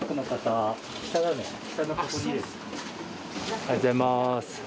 おはようございます。